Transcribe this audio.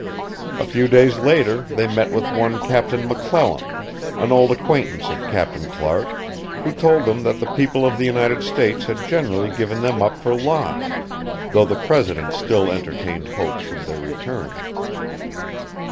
A few days later they met with one Captain McClellan, an old acquaintance of Captain Clark, who told them that the people of the United States had generally given them up for lost, though the President still entertained hopes of their return.